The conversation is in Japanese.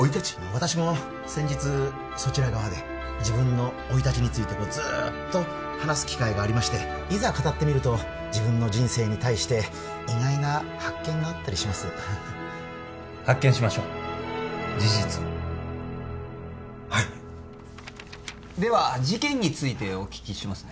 私も先日そちら側で自分の生い立ちについてずーっと話す機会がありましていざ語ってみると自分の人生に対して意外な発見があったりしますフフッ発見しましょう事実をはいでは事件についてお聞きしますね